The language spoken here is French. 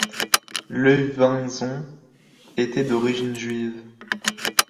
Levinson était d'origine juive.